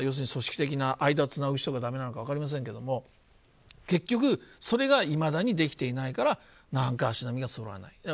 組織的な間をつなぐ人間がだめなのか分かりませんけど結局、それがいまだにできていないから何か足並みがそろわない。